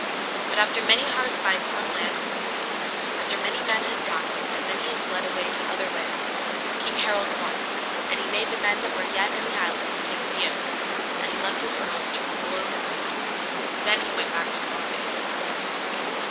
But after many hard fights on land and sea, after many men had died and many had fled away to other lands, King Harald won, and he made the men that were yet in the islands take the oath, and he left his earls to rule over them. Then he went back to Norway.